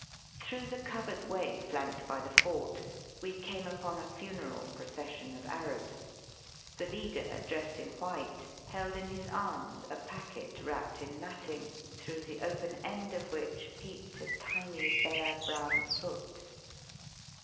Through the covered way flanked by the Digitized by VjOOQIC 342 EAST BY WEST. fort we came upon a funeral procession, of ArabSi The leader, dressed in white, held in his arms a packet wrapped in matting, through the open end of which peeped a tiny bare brown foot.